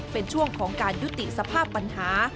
เป็นช่วงของการยุติสภาพปัญหา